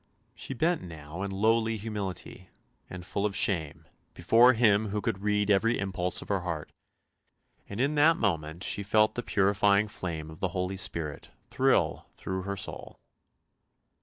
She bent now in lowly humility, and full of shame, before Him who could read every impulse of her heart; and in that moment she felt the purifying flame of the Holy Spirit thrill through her soul.